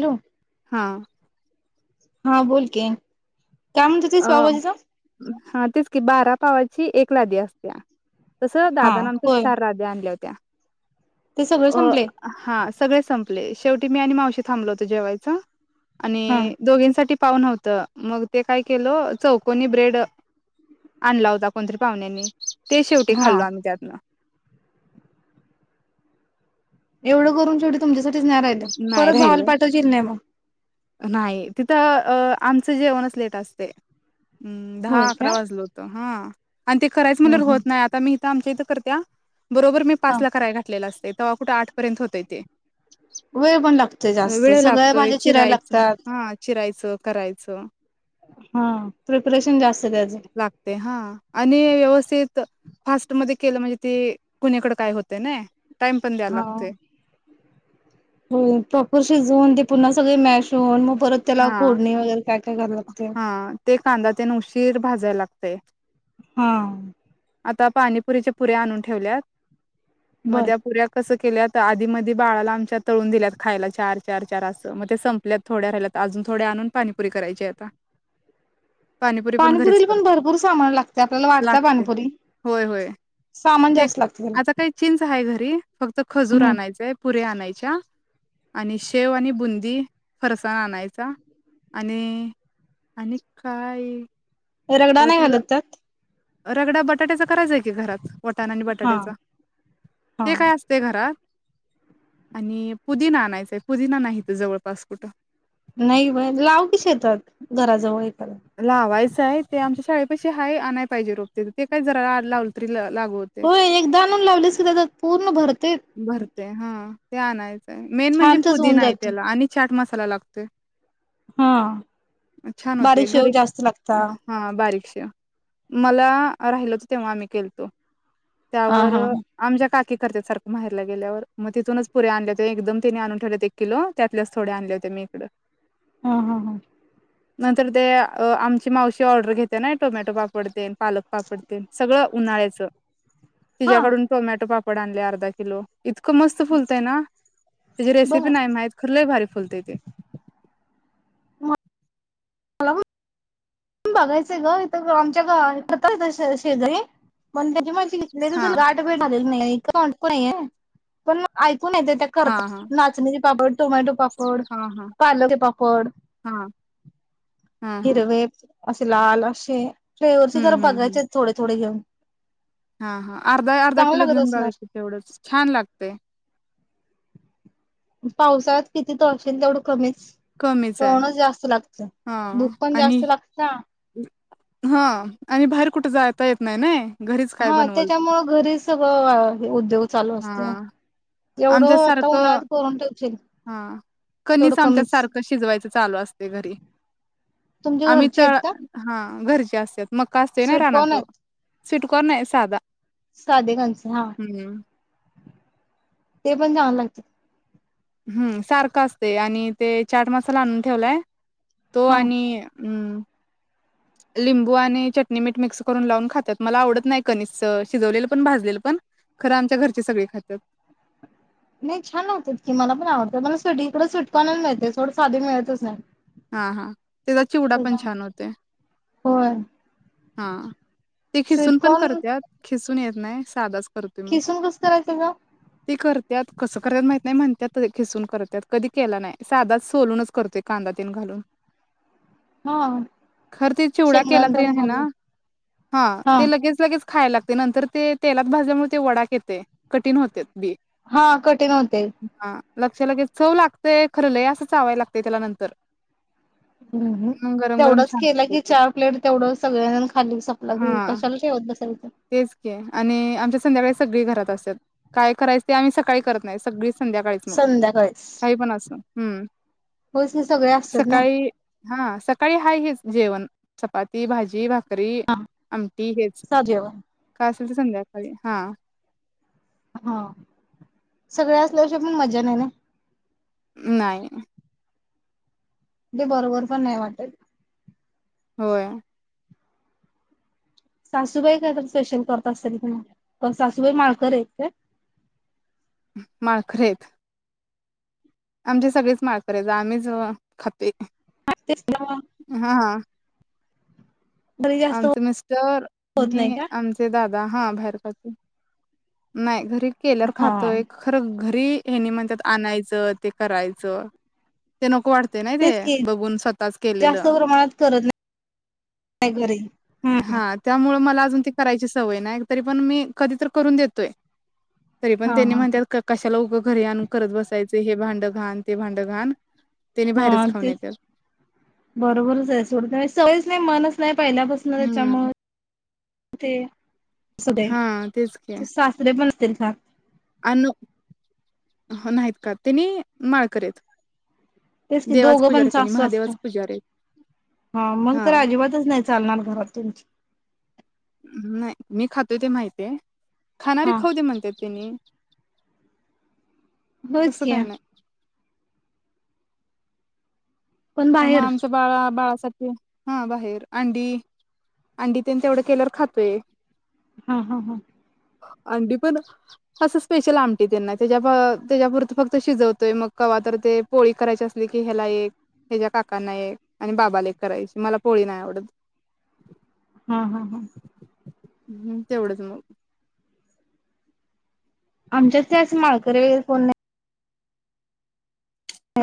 Hello. हा. हा बोल की. का म्हणत होतीस अ पावभाजीचं. हा तेच की बारा पावाची एक लादी असत्या. तसं हा दादाना आमच्या होय चार राद्या आणल्या होत्या. ते सगळं अ संपले हा सगळे संप ले शेवटी मी आणि मावशी थांबल होत जेवायच हा आणि दोघींसाठी पाऊन होत मग ते काय केलं चौकोनी ब्रेड आणला होता कोण तरी पाहुण्यांनी ते शेवटी हा खाल्लो आम्ही त्यातनं. एवढं करून शेवढी तुमच्यासाठी राहि नाही परत भावाला राहिलं पाठवशील नाही मग? नाही तिथं अ आमचं जेवण च लेट असतय हम्म दहा होय अकरा का वाजलो होतो हा. आणि ते करायच हम्म म्हणल्यावर होत हम्म नाही आता मी आमच्या इथं करत्या बरोबर मी हा पाच ला कराय घातलेल असतय तवा कुठं आठ पर्यंत होतय ते. वेळ पण लागते जास्त वेळ सगळ्या लागतोय भाज्या चिरायला लाग चिरायचं हा ची करायचं करायचं. हा प्रिपरेशन जास्त त्याचं लागते हा आणि व्यवस्थित तर फास्टमध्ये केलं म्हणजे ते कुणीकडे काय होतय ने टाइम पण दयाव लागतेय. हो प्रापर शिजवून ते पुन्हा सगळे मॅश होऊन मग परत त्याला हा फोडणी वगैरे काय काय घालावं लागतेय. हा ते कांदा तेन उशीर भाजायला लागतय. हा. आता पाणीपुरीचे पुऱ्या आणून ठेवल्यात. म बर ध्या पुुऱ्या कसं केल्यात आधी मधी बाळाला आमच्या तळून दिल्यात खायला चार चार चार असं मग ते संपल्यात थोड्या राहिल्यात अजून थोड्या आणून पाणीपुरी करायची आता. पाणीपुरी घरीच पाणीपुरीला पण करते भरपूर सामान लागते आपल्याला वाटत लागते पाणीपुरी होय होय सामान ते जास्त लागत त्याला. आता काही [unintelligible] फक्त खजूर हम्म आणायचंय पुऱ्या आणाय एच्या, आणि शेव आणि बुंदी, फरसाण आणाय चा आणि, आणि काय? रगडा अ नाही त्याला घालत त्यात? रगडा बटाट्याचा करायचाय की घरात. वटाणा आणि हा बटाट्याचा. हा ते काय असतंय घरात? आणि, पुदिना आणायचाय पुदिना नाही इथं जवळपास कुठं. नाही ब लाव कि शेतात घराजवळ एक. लावायच् ताहे ते आमच्या शाळे पशी हाये आणाय पाहिजे रोप तेज ते काय जरा लावल तरी लागू होते. होय. एकदा आणून लावलेस दादा पूर्ण भरते. भरते हा ते आणय चय, मेन म्हणजे छानसच होऊन पुदीना आय त्याला आणि चाट मस् कला लागते. हां, बारीश तेव जास्त लागता. बारीकश, मला राहिलं होतं तेव्हा मी केलतो. आ त्यावर हा आमच्या काकी करत्यात सारक माहेरला गेल्यावर. म तिथूनच पुऱ्या आणलेते एकदम तिने आणून ठेवल्यात एक किलो त्यातल्याच थोडे आणल्या होते मी इकडं. हम्-हम्-हम् [unintelligible] तर ते अ आमची मावशी ऑर्डर घेत्या नई टोमॅटो पापडतेन. पालक पापडतेन. सगळं उन्हाळ्याचं. हा तिज्याकडून टोमॅटो पाप पड आणले अर्धा किलो. इतकं मस्त फुलतंय ना, त्याची रेसिपी बघा नाही माहित खर लय भारी फुलते ते. मला [unintelligible] बघायचंय ग इथ गं आमच्या गा ततायचाय श शेजारी. पण त्याची माहि हा [unintelligible] गाठ बेट आलेली नाही. [unintelligible] पण म कोन येते त्या कर हा हा नाचणीची पापड. टोम्याटो पाप पड, हा हा पालक पापड. हा हा हा इरवे असे लाल अशे पेवरचे हम्म जर हम्म हम्म बघायचेत थोडे थोडे घेऊन. हा हा अर्धा अर्धा चांगल किलो लागत घेऊन असणार बघाकी तेवढंच छान लागते. पावसाळ्याात किती तळशील तेवढं कमीच. कमीच आहे कोण जास्त लाग हा भुक पण आणि जास्त लागत्या. हा आणि बाहेर कुठे जायता येत नाही नाई हां त्याच्यामुळं घरी सगळं आहे उद्योग. चालू असत्या हा आमच्या सारखं, हां तेवढं कणिस कमीच आमच्यासारखं शिजवायचं चालू असते घरी, तुमच्या आम्ही घरचे तर, आहेत का हां हां घरचे असत्यात. मक्का असतोय नाय स्वीटकॉर्न रानात आहेत स्वीट कॉर्न नाही साधा. साधे खंच, हां हम्म ते पण चांगल लागत हम्म सारखं असतय आणि ते चाट मसाला आणून ठेवलाय. हो हा आणि हम्म लिंबू आणि चटणी मीठ मिक्स करून लावून खात्यात. मला आवडत नाही कणिस शिजवलेलं पण भाजलेलं पण. खरं आमच्या घरची सगळी खात्यात. नाही छान होतात की, मला पण आवडतात. मला स्वीटकॉनर मिळतात थोडं, साधी मिळतच नाही हां हां त्याचा चिवडा पण छान होतयं, होय हां ते खिसून पण स्वीटकॉर्न करत्यात. खिसून येत नाही, साधाच. करतोय मग खिसून कसं करायचं ग. ते करत्यात, कसं करायचं माहित नाही, म्हणत्यात बाई खिसून करत्यात, कधी केला नाही, साधाच सोलूनच करतो, कांदा [unintelligible] घालून हा खरं ते चिवडा केला शेंगदाणे तरी तेन हाये ना, घालून हां हा ते लगेच लगेच खायला लागते, नंतर ते तेलात भाजल्यामुळे ते वडाक येते, कठीण होत्यात. बी हां कठीण होते. हा लक्ष लगेच, चव लागतंय, खरं लय असं चावायला लागतंय त्याला नंतर. हम्म, मग गरम गरम तेवढंच छान केलं लागते की, ते चार प्लेट तेवढं सगळयान खाल्ली सपलं की, हा कशाला ठेवत बसायचं. तेच की आणि आमच्या संध्याकाळी सगळी घरात असत्यातं, काय करायचं ते आम्ही सकाळी करत नाही. सगळी संध्याकाळीच मग, संध्याकाळीच. काही पण असनं, हम्म होयच की सगळे असतात ना सकाळी, हां सकाळी हाय हेच जेवण. चपाती, भाजी, भा करी आमटी हेच, साधं जेवण. कास तरी संध्याकाळी, हां हां, सगळ्या असल्याशिवाय पण मज्या नाही ना? नाही ते बरोबर पण नाही वाटत. होय सासूबाई काय काय स्पेशल करत असतील मगं. सासूबाई माळकरी आहेत काय? माळकरी आहेत. आमचे सगळेच माळकरी आहेत. आम्हीच खातेय. [unintelligible] घरी जास्त आमचे मिस्टर, होत नाही मी, का? आमचे दादा, हा बाहेर. [unintelligible] नाही घरी- केल्यावर हा खातोय खरं घरी हे म्हणतात आणायचं ते करायचं ते नको वाटतयं. ते नाही तेच की का स्वतःच केलेले जास्त प्रमाणात करत नाही घरी. हम्म हम्म. हा त्यामुळं मला करायची सवय नाही तरी पण मी कधी करून देत [inaudible] तरी पण हा त्यांनी हा म्हणतात कशाला उग घरी आण करत बसायचं हे भांडं घाण ते भांडं घाण- त्यांनी हा बाहेरच खाऊन तेच येत्यात. बरोबरच आहे सोड सवयच नाही मनच पहिल्यापासन हम्म त्याच्यामुळे ते, [inaudible] हा तेच की त्यांच्यात- अन नाहीत का त्यांनी माळकरी आहेत. तेच की देवाच दोघं पुजारी पण आहेत त्यांनी सासू सासरा महादेवाच पुजारी आहेत. हा., मगं तर अजिबातच नाही चालणार घरात तुमच्या. नाही मी खातो ते माहिती आहे, खानारी हा खाऊ दे म्हणतात तेन्ही होयच तसं की. काय नाही. पण मगं बाहेर आमच बाळा बाळा हा बाहेर अंडी अंडी तेन तेवढं केल्यावर खातोय--? हा हा हा. अंडी पण असं स्पेशल आमटी नाही त्याच्यापुरतं फक्त शिजवतोय मगं कवातरी तर ते, पोळी करायची असली की ह्याला एक हच्या काकांना एक आणि बाबाला एक करायची मला पोळी नाही आवडत हा हा हा. हम्म तेवढंच मगं. आमच्यात जास्त माळकरी वगैरे कोण नाही.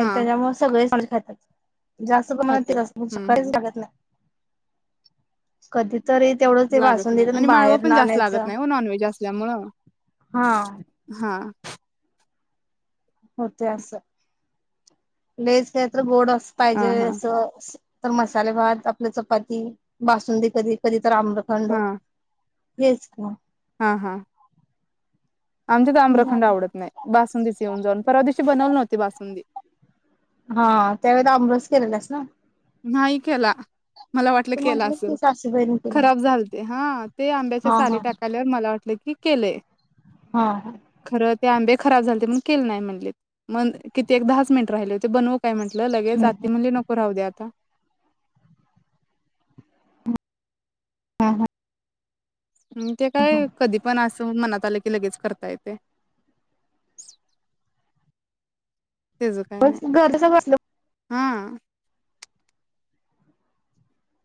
हा सगळे. खात्यात. जास्त प्रमाणात खात्यात ते हम्म कहीच हम्म लागत नाही. कधीतरी तेवढंच ते लागत बासुंदी नाही तेन आणि माळवं बाहेर न पण जास्त लागत आणायचं नाही हो नॉनव्हेज असल्यामुळं हा. हा होते अस लयच काय तर गोड अस हा पाहिजे हा अस तर मसाले भात आपल चपाती बासुंदी कधी कधी तर आम्रखंड हा हेच हा हा आमच्यात आम्रखंड झालं आवडत नाही बासुंदीच येऊन जाऊन परवा दिवशी बनवली नव्हती बासुंदी हा त्यावेळेला आमरस केलेलास ना? नाही केला मला वाटलं तू केला म्हटलंस असेल की सासूबाईनी केला खराब झालते हा ते आंब्याच्या हा साली हा टाकायल्यावर मला वाटलं मी केलय. हा हा खरं ते आंबे खराब झालते म्हणून केले नाही म्हणलेत मग किती एक दहाच मिनिटे राहिले होते बनवू काय म्हटलं लगेच आती म्हणली नको राहू द्यात का हा हा हम्म ते काय कधी पण असो मनात आले की लगेच करता येते. त्याचं काय नाही मग घर कसं बसलं हा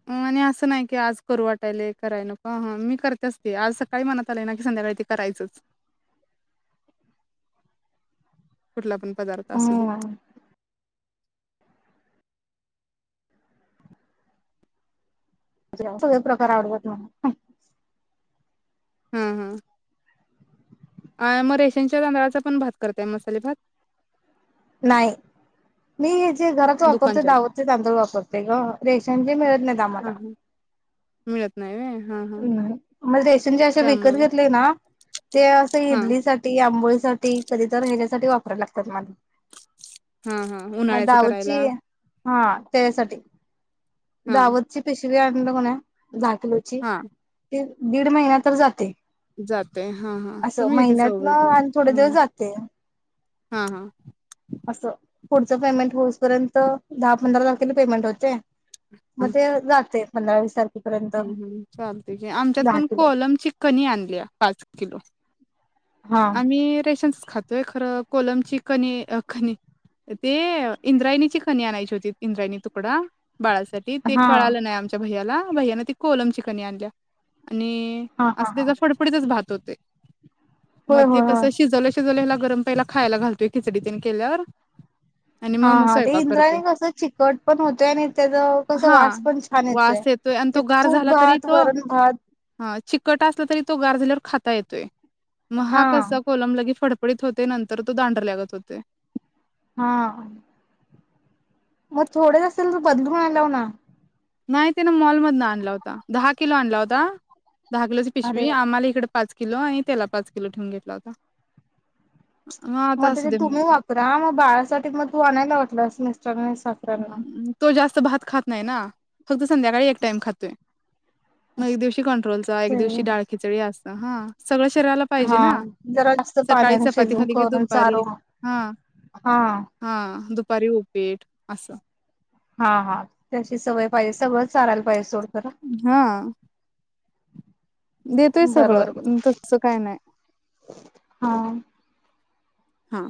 अ आणि असं नाही की आज करू वाटायले कराय नको हा हा मी करत असते आज सकाळी मनात आलय ना की संध्याकाळी ते करायचच, कुठला पण पदार्थ असू दे हम्म सगळे प्रकार आडवत नाही. हम्म हम्म, हा मग रेशनच्या तांदळाचा पण भात करताय मसाले भात नाही मी जे घरात वापरते दुकानच्यात दावत ते तांदूळ वापरते ग रेशन चे मिळत नाहीत हा आम्हाला हा मिळत नाही व्हय हा हा नाही म्हणजे रेशन जे असे विकत त्यामुळे घेतले ना ते असं हा इडली साठी आंबोळी साठी कधीतर ह्याच्यासाठी वापराया लागतात मला हा हा मग उन्हाळ्याचं करायला दावतची हा त्याच्यासाठी हा दावतची स्पेश [unintelligible] कोण आहे. हा. दीड दीड महिना तर जाते. जाते हा हा असं तुम्ही किती महिन्यात ना चौघे जण आणि थोडे दिवस मंग जाते हा हा. असं पुढचं पेमेंट होऊसपर्यंत दहा पंधरा तारखेला पेमेंट होचे. मग ते जातेत. [unintelligible] हम्म हम्म चालतय की आमच्यात पण किलो कोलम चकनी आणल्या पाच किलो. हा आम्ही रेशन च खातो. तोय खरं कोलमची कनी खनी ते इंद्रायणीची खणी आणायची होती इंद्रायणी तुकडा बाळासाठी ते हा कळालं नाही आमच्या भैय्या ला भैयान ती कोलम च कणी आणल्या आणि हा हा असं हा त्याचा फडफडीतच भात होत. ते. म. होय ते होय होय कसं शिजवलं शिजवले ह्याला गरम पहिला खायला घालतोय खिचडी ती न. केल्यावर. आणि हा मग मग हा ते स्वयंपाक करतोय इंद्रायणी कसं चिकट पण होतोय आणि त्याच कस हा वास पण छान येतोय वास आणि ते. तो गार तूप झाला तरी भात तो वरण भात हा चिकट असला तरी तो गार [unintelligible] खाता येतोय. म हा कसा कोलम लगी फड पडीत होते नंतर तो दांडर ल्यागत होतेय. हा. मग थोडेच असेल तर बदलून आनाव ना, नाही तिनं मॉलमधन आणला होता दहा किलो आणला होता. दहा किलोची अरे पिशवी वा आम्हाला इकड पाच किलो आणि त्याला पाच किलो ठेवून घेतो आता. म असू त्याच्यात दे तुम्हू म्हटलं. वापरा म बाळासाठी म तू आणायला वाटलं असेल. करने सासाऱ्यांना च भात खात नाही ना फक्त संध्याकाळी एक टाइम खातोय म असं एक दिवशी की कंट्रोलचा एक आहे दिवशी व्हय. डाळ खिचडी असत ह सगळ शरीराला पाहिजे हा ना जरा जास्त सकाळी पाण्याने चपाती शिजून खाली करून दुपारी चारो हां हा हा दुप पारी उपीट असं. हा हा त्याची सवय पाहिजे सगळंच चारायला पाहिजे सोड. खरं हा. देतोय बरोबर सगळं बरोबर तस काय नाही. हा हा.